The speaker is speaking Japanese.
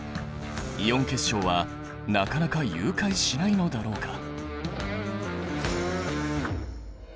イオン結晶はなかなか融解しないのだろうか。